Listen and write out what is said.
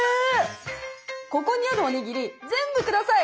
ここにあるおにぎり全部下さい。